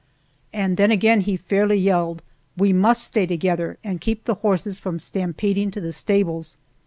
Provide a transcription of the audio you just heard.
And then again he fairly yelled, "We must stay together and keep the horses from stampeding to the stables!"